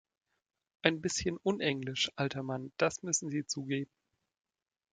Ein bisschen unenglisch, alter Mann, das müssen Sie zugeben.